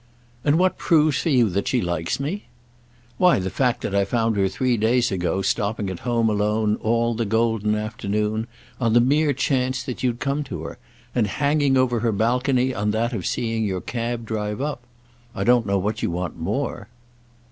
"And what proves for you that she likes me?" "Why the fact that I found her three days ago stopping at home alone all the golden afternoon on the mere chance that you'd come to her, and hanging over her balcony on that of seeing your cab drive up. I don't know what you want more."